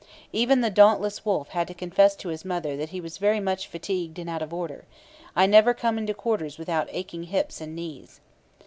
Even the dauntless Wolfe had to confess to his mother that he was 'very much fatigued and out of order. I never come into quarters without aching hips and knees.'